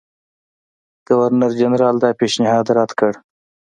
ګورنرجنرال دا پېشنهاد رد کړ.